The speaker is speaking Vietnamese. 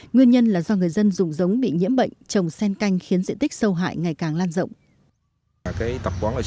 nguyên nhân là do người dân dùng giống bị nhiễm bệnh trồng sen canh khiến diện tích sâu hại ngày càng lan rộng